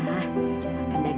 jaka odon nah